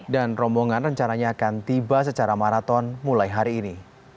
dan rombongan rencananya akan tiba secara maraton mulai hari ini